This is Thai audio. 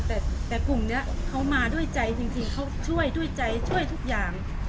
แต่กลุ่มนี้เขามาด้วยใจจริงเขาช่วยด้วยใจช่วยทุกอย่าง